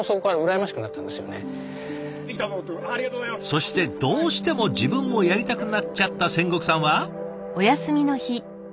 そしてどうしても自分もやりたくなっちゃった仙石さんは。